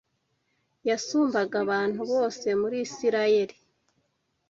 Yasumbaga abantu bose muri Isirayeli!